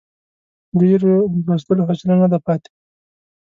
ډېریو د لوستلو حوصله نه ده پاتې.